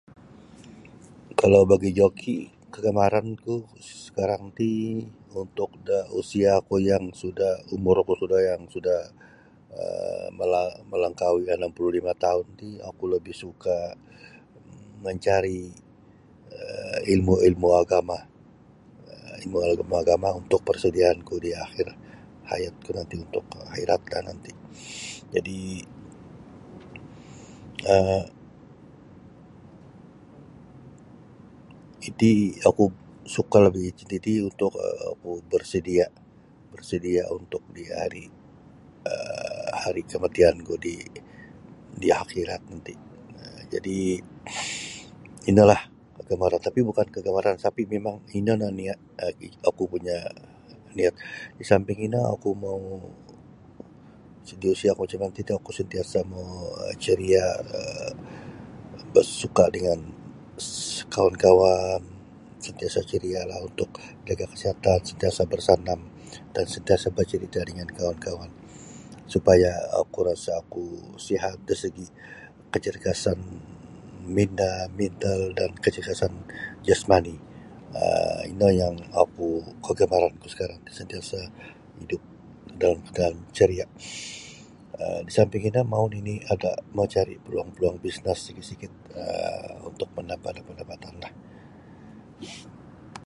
Kalau bagi joki kagamaranku sekarang ti untuk da usiaku yang sudah umurku yang sudah sudah um melangkahi anam puluh lima taun ti oku lebih suka um mencari ilmu-ilmu agama um ilmu-ilmu agama untuk persediaanku di akhir hayatku akhirat nanti jadi iti oku suka lagi untuk oku bersedia bersedia untuk di hari um hari kematianku di akhirat nanti um jadi inolah kagamaran tapi bukan kagamaran tapi mimang ino nio niat oku punya niat di samping ino oku mau di usiaku ti oku mau sentiasa mau ceria basuka dengan kawan-kawan sentiasa cerialah untuk jaga kasihatan sentiasa bersenam dan sentiasa bercerita dengan kawan-kawan supaya oku rasa oku sihat dari segi kecergasan minda mental dan kecergasan dari segi jasmani ino yang oku mau di samping ino mau nini agar cari-cari peluang bisnes sikit-sikit untuk menambah da pendapatanlah.